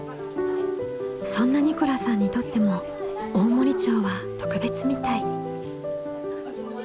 そんなニコラさんにとっても大森町は特別みたい。